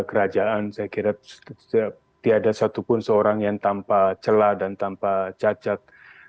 saya kira tidak ada satu pun seorang yang tanpa celah dan tanpa cacat